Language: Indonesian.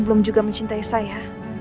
belum juga mencintai saya